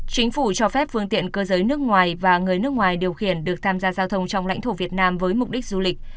chính phủ cho phép phương tiện cơ giới nước ngoài và người nước ngoài điều khiển được tham gia giao thông trong lãnh thổ việt nam với mục đích du lịch